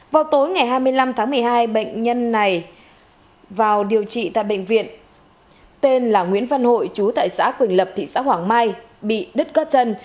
vào tối ngày hai mươi năm tháng một mươi hai bệnh nhân này vào điều trị tại bệnh viện tên là nguyễn văn hội chú tại xã quỳnh lập thị xã hoàng mai bị đứt cơ chân